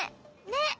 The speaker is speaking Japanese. ねっ！